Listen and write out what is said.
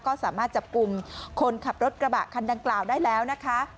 ก็สามารถจับกลุ่มคนขับรถกระบะคันดังกล่าวได้แล้วนะคะ